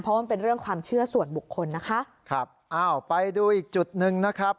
เพราะว่ามันเป็นเรื่องความเชื่อส่วนบุคคลนะคะครับอ้าวไปดูอีกจุดหนึ่งนะครับ